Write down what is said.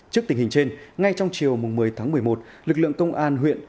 trước tình hình trên ngay trong chiều một mươi tháng một mươi một lực lượng công an huyện